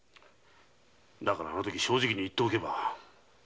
だから正直に言っておけば。